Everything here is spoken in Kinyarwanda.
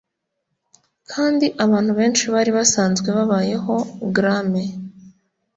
kandi abantu benshi bari basanzwe babayeho grame